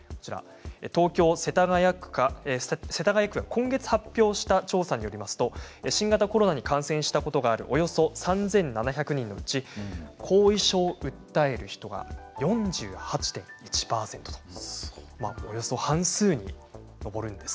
東京世田谷区が今月発表した調査によりますと新型コロナに感染したことがあるおよそ３７００人のうち後遺症を訴える人が４８．１％ということなんです。